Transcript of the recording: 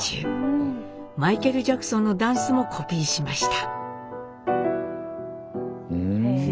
マイケル・ジャクソンのダンスもコピーしました。